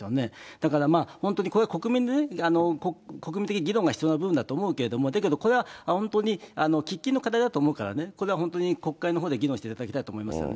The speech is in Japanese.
だから、本当に国民の、国民的議論が必要な部分だと思うけれども、だけどこれは本当に喫緊の課題だと思うからね、これは本当に国会のほうで議論していただきたいと思いますよね。